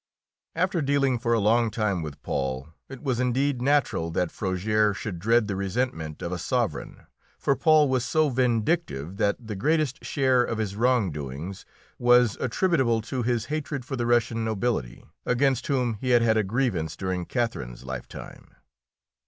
After dealing for a long time with Paul, it was indeed natural that Frogères should dread the resentment of a sovereign, for Paul was so vindictive that the greatest share of his wrongdoings was attributable to his hatred for the Russian nobility, against whom he had had a grievance during Catherine's lifetime.